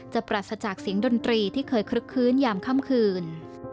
ปราศจากเสียงดนตรีที่เคยคลึกคื้นยามค่ำคืน